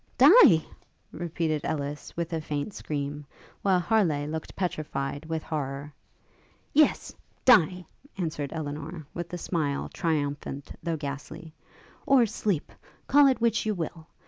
'Die?' repeated Ellis, with a faint scream, while Harleigh looked petrified with horrour. 'Die, yes!' answered Elinor, with a smile triumphant though ghastly; 'or sleep! call it which you will!